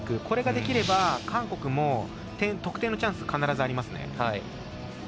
これができれば韓国も得点のチャンス必ずありますね。